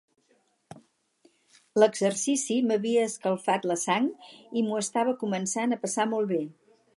L'exercici m'havia escalfat la sang i m'ho estava començant a passar molt bé.